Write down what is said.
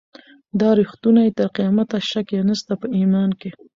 دا ریښتونی تر قیامته شک یې نسته په ایمان کي